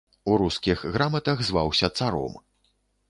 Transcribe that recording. У рускіх граматах зваўся царом.